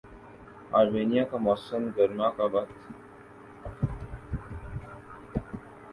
Armenia کا موسم گرما کا وقت